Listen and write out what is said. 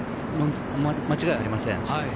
間違いありません。